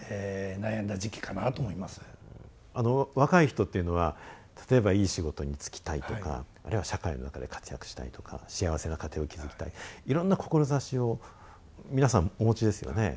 若い人っていうのは例えばいい仕事に就きたいとかあるいは社会の中で活躍したいとか幸せな家庭を築きたいいろんな志を皆さんお持ちですよね？